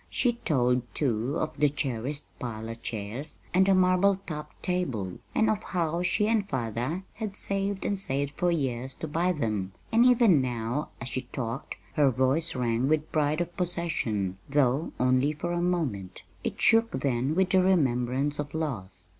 She told, too, of the cherished parlor chairs and marble topped table, and of how she and father had saved and saved for years to buy them; and even now, as she talked, her voice rang with pride of possession though only for a moment; it shook then with the remembrance of loss.